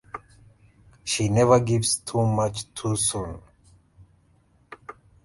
She never gives too much too soon.